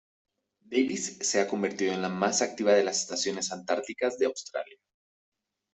Davis se ha convertido en la más activa de las estaciones antárticas de Australia.